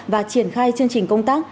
và triển khai chương trình công tác